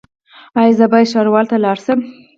ایا زه باید ښاروالۍ ته لاړ شم؟